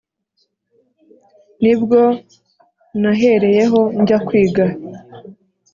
ni bwo nahereyeho njya kwiga.